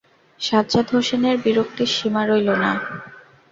সাজ্জাদ হোসেনের বিরুক্তির সীমা রইল না।